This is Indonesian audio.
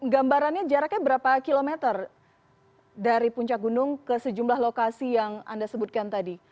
gambarannya jaraknya berapa kilometer dari puncak gunung ke sejumlah lokasi yang anda sebutkan tadi